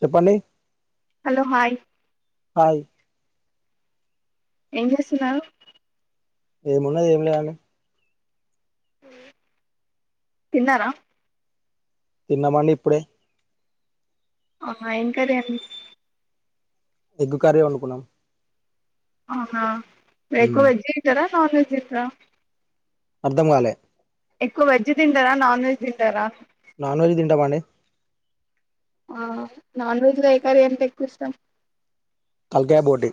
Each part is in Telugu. చెప్పండి హలో హాయ్ హాయ్ ఏం చేస్తున్నారు ఏమున్నది ఏంలేదండి తిన్నారా తిన్నామండి ఇప్పుడే ఆ ఎం కర్రీ అండి ఎగ్గు కర్రీ వండుకున్నాం అవ్నా మ్మ్. ఎక్కువ వెజ్జే తింటారా నాన్ వెజ్ తింటారా అర్థం కాలే ఎక్కువ వెజ్ తింటారా నాన్ వెజ్ తింటారా నాన్ వెజ్ తింటామాండి ఆ నాన్ వెజ్ లో ఏ కర్రీ అంటే ఎక్కు ఇష్టం కల్క్యాబోట్టి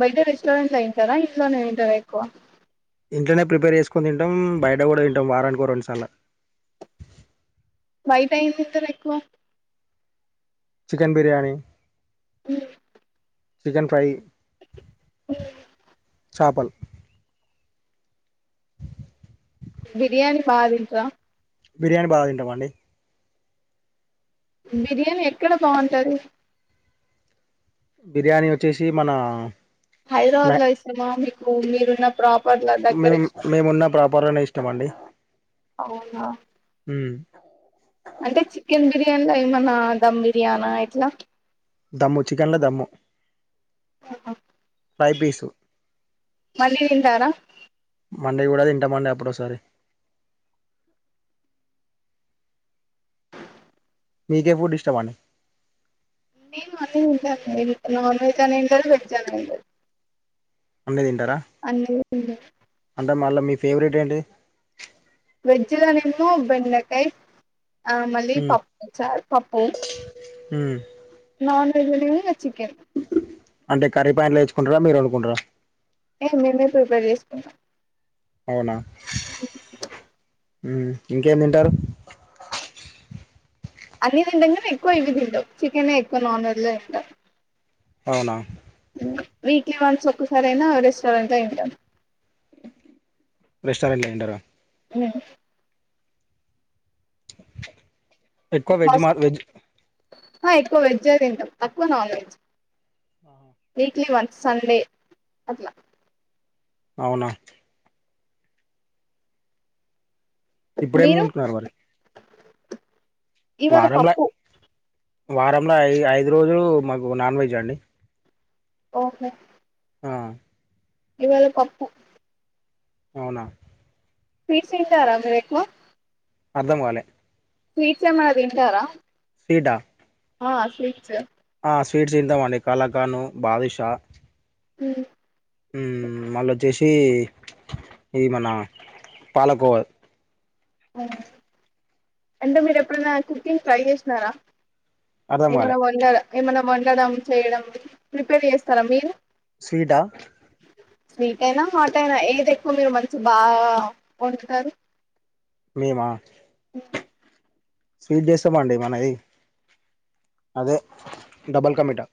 బయట రెస్టోారంట్లో తింటారా ఇంట్లోనే తింటారా ఎక్కువ. ఇంట్లోనే ప్రీపేర్ చేసుకుని తింటాం బయట కూడా తింటాం వారానికి ఓ రెండుసార్లు. బయట ఎమ్ తింటారు ఎక్కువ చికెన్ బిర్యానీ ఉ చికెన్ ఫ్రై చాపలు బిర్యానీ బాగా తింటారా బిర్యానీ బాగా తింటాం అండి బిర్యానీ ఎక్కడ బాగుంటది బిర్యానీ వచ్చేసి మన హైదరాబాద్లో ఇష్టమా మీకు మీరున్న ప్రాప్ మిమ్ మేము ఉన్న ప్రాపర్ లోనే ఇష్టం అండి అవునా ఉ అంటే చికెన్ బిర్యాన్లా ఏమన్నా ధమ్ బిర్యానా ఏట్లా. దమ్ము చికెన్లో దమ్ము పైపీసు మళ్ళీ తింటారా మండే కూడా తింటామండి అప్పుడో సారి మీకే ఫుడ్ ఇష్టమండి నేను అన్ని తింటానండి నాన్ వెజ్ అనేమ్ లేదు వెజ్ అనేమి లేదు. అన్ని తింటారా అన్ని తింటా అంటే మళ్ళ మీ ఫేవరెట్ ఏంటి వెజ్జ్లోనేమో బెండకాయ్ ఆ మళ్ళీ పప్పు చారు పప్పు. ఉ నాన్ వెజ్లో నేమి చికెన్ అంటే కర్రీ పాయింట్లో తెచ్చుకుంటారా మీరే వండుకుంటారా. యే మేమే ప్రిపేర్ చేసుకుంటాం అవునా ఉ ఇంకేమి తింటారు అన్ని తింటాం కానీ ఎక్కువ ఇవి తింటాం చికెన్ ఎక్కువ నాన్ వెజ్లో ఇంకా. అవునా వీక్లీ వన్స్ ఒక్కసారి అయినా రెస్టారెంట్లో తింటాం. రెస్టారెంట్లో తింటారా ఉ ఎక్కువ వెజ్ మా ఫస్ట్ వెజ్ ఆ ఎక్కువ వెజే తింటాం తక్కువ నాన్ వెజ్ ఆహా వీక్లీ వన్స్ సండే అట్లా అవునా ఇప్పుడేమి మీరు వండుకున్నారు మరి ఇవాళ వారమ్ల పప్పు వారంలో ఐ ఐదు రోజులు మాకు నాన్ వెజ్ అండి. ఓహో ఆ ఇవాళ పప్పు అవునా స్వీట్స్ తింటారా మీరు ఎక్కువ అర్థం కాలే స్వీట్స్ ఏమన్నా తింటారా ఫీడా ఆ స్వీట్స్ ఆ స్వీట్స్ తిద్దాం అండి కాలాకాను, బాదుషా ఉమ్ ఉమ్ మళ్ళ వచ్చేసి ఇది మన పాలకోవ అంటే మీరు ఎప్పుడన్నా కుకింగ్ ట్రై చేసినారా? అర్థం కాలే ఏమన్న వండ ఏమన్న వండడం, చేయడం ప్రిపేర్ చేస్తరా మీరు? స్వీటా? స్వీట్ అయినా హాట్ అయినా, ఏది ఎక్కువ మీరు మంచి బాగా వండుతారు? మీమా [inaudible] స్వీట్ చేస్తమండి మనది అదే డబల్కమీటా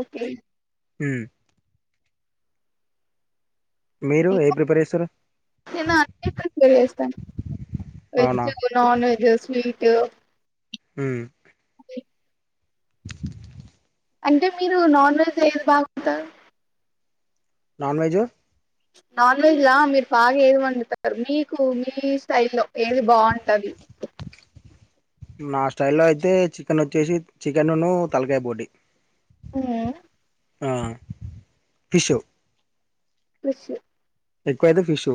ఓకే హ్మ్ మీరు ఏ ఎక్కో ప్రిపేర్ చేస్తారు నేను అన్ని ప్రిఫర్ చేస్తాను, అవునా వెజ్జు గు నాన్ వెజ్, స్వీటు హ్మ్ ఎమ్ అంటే మీరు నాన్ వెజ్ ఏది బాగుంట నాన్ వెజ్ నాన్ వెజ్ లా మీరు బాగా ఏది వండుతారు, మీకు మీ స్టైల్ లో ఏది బాగుంటది? ఎమ్ నా స్టైల్లో అయితే చికెన్ వచ్చేసి చికెన్ ఉన్నూ తలకాయ, పోటి ఉమ్ ఆ ఫిషూ ఫిషూ ఎక్కువైతే ఫిషూ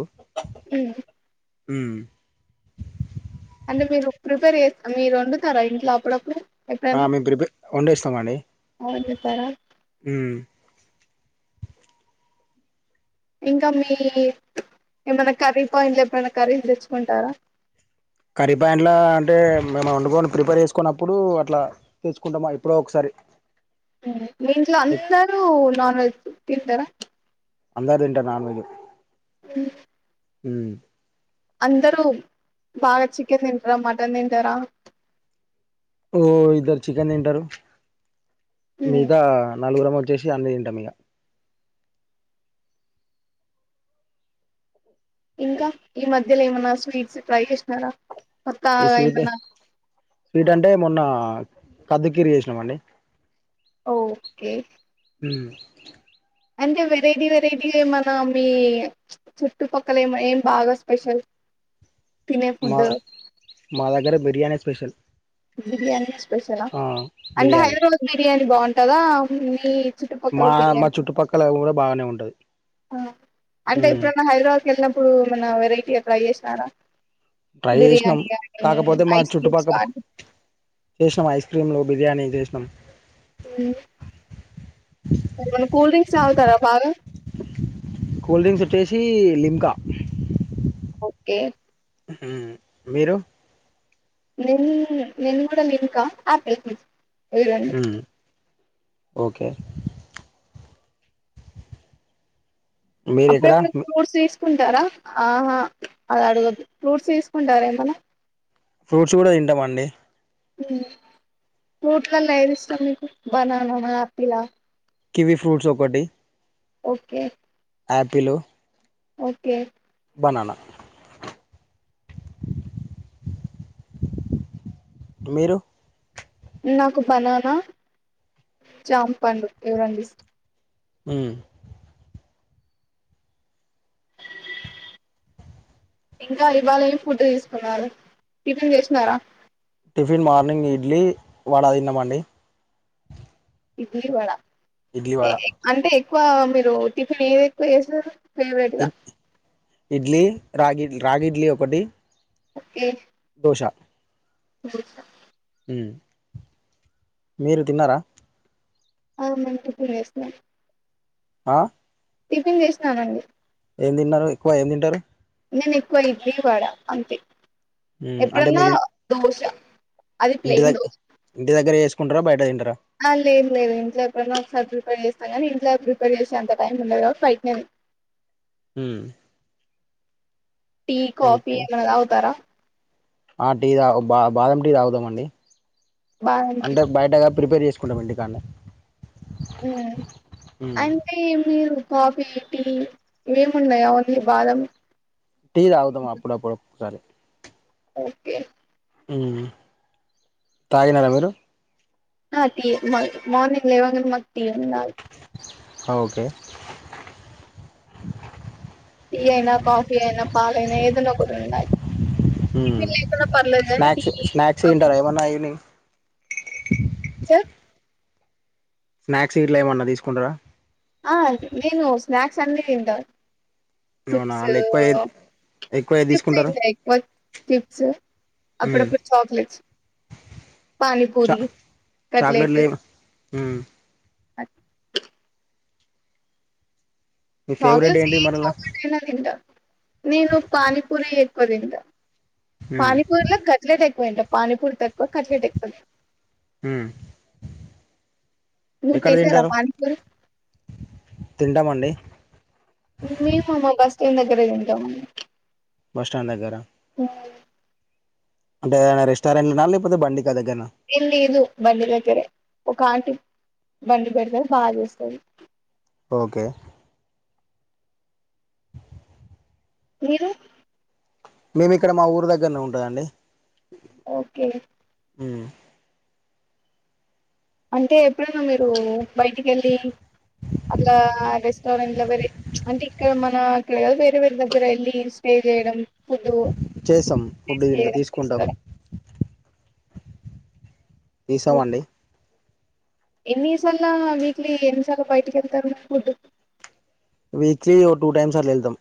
ఉహు హ్మ్ అంటే మీరు ప్రిపేర్ చేస్ మీరు వండుతారా ఇంట్ల అప్పుడప్పుడు? ఆ ఎప్పుడైనా మేము ప్రిపేర్ వండేస్తామండి, వండుతారా ఉమ్ ఇంకా మీ ఏమన్నా కర్రీ పాయింట్లు ఎప్పుడనా కర్రీస్ తెచ్చుకుంటారా? కర్రీ పాయంట్లా అంటే మేము వంకొని ప్రిపేర్ చేసుకోన్నప్పుడు అట్ల తెసుకుంటామ ఎప్పుడో ఒకసారి. మీ ఇంట్లో అందరు నాన్ వెజ్ తింటరా? అందరూ తింటరు నాన్ వెజు ఉమ్ ఉమ్ అందరూ బాగా చికెన్ తింటరా, మటన్ తింటరా? ఓ ఇద్దరు చికెన్ తింటరు, మిగతా నలుగురం వచ్చేసి అన్ని తింటమిగా. ఇంకా ఈ మధ్యలో ఏమన్న స్వీట్స్ ట్రై చేసినారా? ఈ కొత్తగా స్వీట్ ఏమన్నా స్వీట్ అంటే మొన్న కద్దుకీర్ చేసినమండి. ఓ కే ఉమ్ అంటే వెరైటీ వెరైటీగా ఏమన్నా మీ చుట్టుపక్కల ఏమ ఏం బాగా స్పెషల్? తినే మా ఫుడ్ మాదగ్గర బిర్యాని స్పెషల్ బిర్యానీ స్పెషలా ఆ అంటే బిర్యానీ హైదరాబాద్ బిర్యానీ బాగుంటుందా మీ మా చుట్టుపక్కల మా బిర్యానీ చుట్టుపక్కల కూడా బాగానే ఉంటది అంటే ఉమ్ ఇప్పుడున్న హైదరాబాద్ కి వెళ్ళినప్పుడు ఏమన్నావెరైటీగా ట్రై చేసినారా ట్రై చేసినాం బిర్యానీ గాని కాకపోతే మా ఐస్ క్రీమ్స్ చుట్టుపక్క కానీ చేసినాం ఐస్ క్రీమ్లు బిర్యానీ చేసినాం హ్మ్ మరి కూల్ డ్రింక్స్ తాగుతారా బాగా కూల్ డ్రింక్స్ వచ్చేసి లింకా ఓకే హ్మ్ మీరు నేన్ నేను కూడా లింకా ఆపిల్ ఫీజ్ ఓకే మీరు ఇక్కడ అప్పుడప్పుడ ఫ్రూట్స్ తీసుకుంటారా ఆహా అది అడుగద్దు ఫ్రూట్స్ తీసుకుంటారా ఏమనా ఫ్రూట్స్ కూడా తింటామ్ అండి ఫ్రూట్లల్లో ఏది ఇష్టం మీకు బనానా నా ఆపిలా కివి ఫ్రూట్స్ ఒకటి ఓకే ఆపిల్ ఓకే బనానా మీరు నాకు బనానా జాంపండు ఇవి రెండు ఇష్టం హ్మ్ ఇంకా ఇవాళ ఏమి ఫుడ్ తీసుకున్నారు టిఫిన్ చేసినారా టిఫిన్ మార్నింగ్ ఇడ్లీ వడ తిన్నామండి ఇడ్లీ వడ ఇడ్లీ వడ అంటే ఎక్కువ మీరు టిఫిన్ ఏది ఎక్కువ చేస్తారు ఇ ఇడ్లీ రాగిడ్లీ రాగి ఇడ్లీ ఒకటి ఓకే దోష దోస హ్మ్ మీరు తిన్నారా ఆ మన ట్రిప్పు వేసినాము ఆ టిఫిన్ చేసినానండి ఏం తిన్నారు ఎక్కువ ఏం తింటారు నేను ఎక్కువ ఇడ్లీ వడా అంతే ఉమ్ అంటే ఎప్పుడన్నా మీరు దోశ అది ఇంటి ప్లెయిన్ దగ్గ దోశ ఇంటి దగ్గర ఏసుకుంటారా బయట తింటారా ఆ లేదు లేదు ఇంట్లో ఎప్పుడనా ఒకసారి ప్రిపేర్ చేస్తాం కానీ ఇంట్లో ప్రిపేర్ చేసే అంత టైం ఉండదు కాబట్టి బయట్నేది హ్మ్ టీ కాఫీ ఓకే ఏమన్నా తాగుతారా ఆ టీ తాగు బా బాదం టీ తాగుతాము అండి బాదం టీ అంతే బయటగా ప్రిపేర్ చేసుకుంటామండి కానీ హ్మ్ అంటే మీరు కాఫీ టీ ఏముండవ్ ఓన్లీ బాదం టీ తగుతాం అప్పుడప్పుడు ఒకొక్కసారి ఓకే ఉమ్ తాగినారా మీరు ఆ టీ మ మార్నింగ్ లేవంగా మకు టీ ఉండాలే అ ఓకే టీ అయినా కాఫీ అయినా పాల్ అయినా ఏదైనా ఒకటి ఉండాలి ఉమ్ టిపిన్ లేకున్న పర్లేదు గానీ టీ స్నాక్స్ స్నాక్స్ తింటారా ఏమన్నా ఈవినింగ్ చె స్నాక్స్ గిట్ల ఏమన్నా దిస్కుంటరా ఆ నేను స్నాక్స్ అన్ని తింటా అవునా చిప్సు వాళ్ళు ఎక్కువ ఏది ఎక్కువ ఏది తీసుకుంటారు చిప్స్ ఉమ్ అప్పుడప్పుడు చాక్లేట్స్ పనీపూరి లు కట్ లేట్ ఉ మీ గగ్ ఫేవరెట్ ఏంటి మరలా లో [unintelligible] తింటా నేను పానీపూరి ఎక్వ తింటా ఉమ్ పానీపూరిలో కట్ కట్లేట్ ఎక్వ తింట పానీపూరి తక్వ కట్లెట్ ఎక్వ ఉమ్ మీరు ఎక్కడ చేశారా తింటారు పానీపురి తింటామండి మేము మా బస్ స్టాండ్ దగ్గర దింటండి బస్టాడ్ దగ్గర ఉ అంటే ఎదనా రెస్టారెట్లనా లేపోతే బండికా దెగ్గర్నా ఏం లేదు బండి దెగ్గరే ఒక ఆంటి బండి బెడ్తది బా జెస్తది ఓకే మీరు మేము ఇక్కడ మా ఊరు దగ్గర్నే ఉంటదండి. ఓకే ఉమ్ అంటే ఎప్పుడన్నా మీరూ బైటికెళ్ళీ అట్లా రెస్టారెంట్లా వెరె అంటే ఇక్కడ మనా ఇక్కడ గద్ వేరే వేరే దగ్గర ఎళ్ళి స్టే జైడం ఫుడ్డు చేస్తాం ఫుడ్ టెస్ట్ ఇంట్లో చేడం తీసుకుంటాం తీసవండి. ఎన్నిసాల్లా వీక్లీ ఎన్నిసాల్ల బైటికెళ్తారు ఫుడ్డు వీక్లీ ఓ టూ టైమ్స్ అట్ల ఎళ్తాం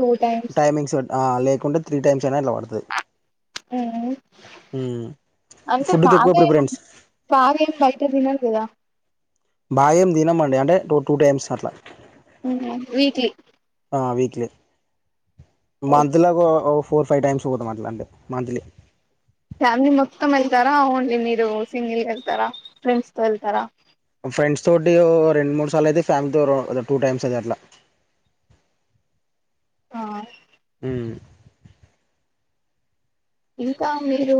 టూ టైమ్స్ టైమింగ్స్ వట్ ఆ లేకుంటే త్రీ టైమ్స్ ఐన అట్లా వడ్తది. ఉమ్ ఫుడ్కి ఎక్వ ప్రిఫరెన్స్ పాగేం బైట తినర్ గదా బాగేం దినమండి అంటే టు టూ టైమ్స్ అట్లా ఉహు వీక్లి ఆ వీక్లీ మంత్లకు ఓ ఫోర్ ఫైవ్ టైమ్స్ వోతాం అట్లా అంటె మంత్లీ ఫ్యామ్లీ మొత్తాం ఎళ్తారా ఓన్లీ మీరు సింగిల్గెళ్తారా ఫ్రెండ్స్ తో ఎళ్తారా ఫ్రెండ్స్ తోటీ ఒ రెండ్ మూడ్ సార్లు అయితే ఫ్యామిలీతో టూ టైమ్స్ అది అట్లా ఆ ఉమ్ ఇంకా మీరు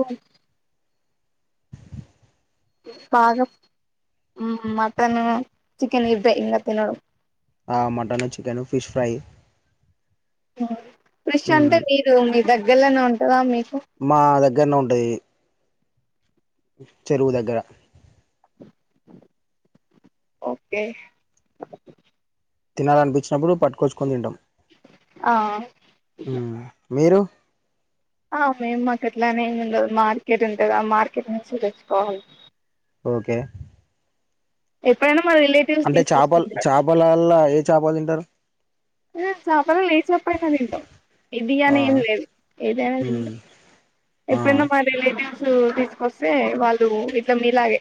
బాగా మటను చికెన్ అయితే ఇంగా తినడు ఆ mutton chicken fish fry fish అంటే మీరు మీ దగ్గర్లోనే ఉంటందా మీకు మా దగ్గర్లో ఉంటయ్ చెరువు దగ్గరా ఓకే తినాలనిపించినప్పుడు పట్కొచ్చుకొని తింటాం ఆ హుమ్ మీరు ఆవ్మేమ్ మాకట్లానేం ఉండదు మార్కెట్ ఉంటది ఆ మార్కెట్ నుంచి తెచ్చుకోవాలి ఓకే ఎప్పుడన్నా మా రీలేట్ అంటే చాపల్ చాపల వల్ల ఏ చాప తింటారు మేమ్ చాపల్ ఏ చాపలయినా తింటాం ఇది ఆ అని ఏమి లేదు ఏదైనా మ్మ్ తింటాం ఆ ఎప్పుడన్నా మా రిలేటివ్స్ తీసుకొస్తే వాళ్ళు ఇట్లా మీలాగే.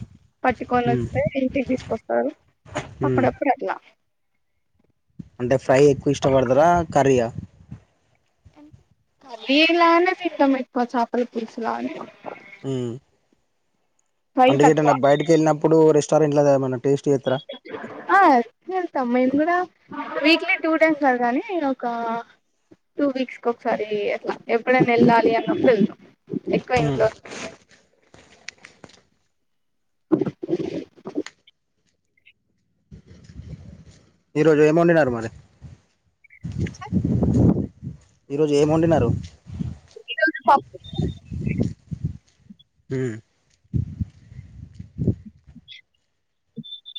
మ్మ్ పట్టుకొన్వస్తే ఇంటికి తీసుకొస్తారు మ్మ్ అప్పుడప్పుడు అట్లా అంటే ఫ్రై ఎక్కువ ఇష్టపడ్తార కర్రీయ కర్రీలానే తీసుకొని పెట్టుకో చాపల పుల్స్లానే మ్మ్ ఫ్రై అంటే తక్కువ గేటైనా బయటకి ఎళ్ళినప్పుడు రెస్టారెంట్లో దెమన్నా టేస్ట్ జేత్తరా ఆ చేస్తాం మేము గూడా వీక్లీ టూ టైమ్స్ గాదు కానీ ఒక టూ వీక్స్ ఒకసారి అట్లా ఎప్పుడన్నా ఎళ్ళాలి అన్నప్పుడు ఎళ్తాం ఎక్కువ మ్మ్ ఇంట్లో ఈ రోజు ఏమెండిన్నారు మరి ఈరోజు ఏం వండిన్నారు పప్పు హ్మ్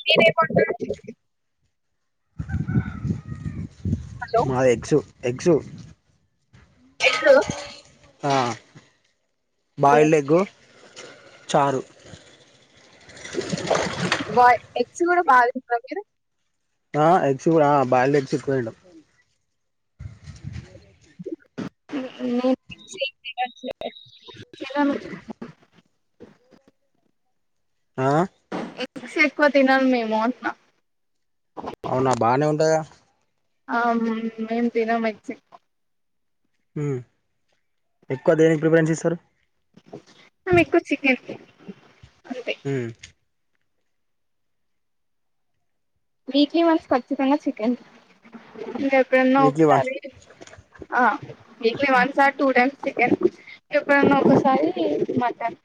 మీరేమ్ వండ్నార్ హలో మాఎగ్సు ఎగ్సు ఎగ్గ్ ఆ బాయిల్డ్ ఎగ్గు చారు బా ఎగ్స్ గూడా బాగాతింట్రా మీరు ఆ ఎగ్గ్సు గూడా బాయిల్డ్ ఎగ్గ్స్ ఎక్కువ తింటం [unintelligible] అట్లే ఏ [unintelligible] ఆ ఎగ్గ్స్ ఎక్కువ తినమ్ మేము అన్ట్నా అవునా బానే ఉంటాయే ఆ మేమ్ తినమెగ్స్ హ్మ్ ఎక్కువ దేనికి ప్రిఫరెన్స్ ఇస్తరు మేమ్ ఎక్కువ చికెన్ అంతే హ్మ్ వీక్లీ వన్స్ ఖచ్చితంగా చికెన్ ఎప్పుడన్నా వీక్లీ వన్స్ ఒకసారి ఆ weekly once or two times chicken ఎప్పుడన్నా ఒకసారి మటన్